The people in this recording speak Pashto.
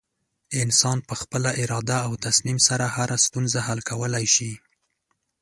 انسان په خپله اراده او تصمیم سره هره ستونزه حل کولی شي.